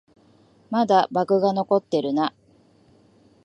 まだバグが残ってるな